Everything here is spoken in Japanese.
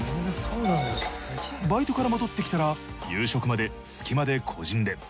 バイトから戻ってきたら夕食まで隙間で個人練。